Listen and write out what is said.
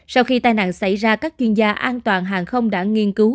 sau khi tai nạn xảy ra các chuyên gia an toàn hàng không đã nghiên cứu